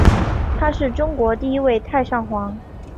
他是中国第一位太上皇。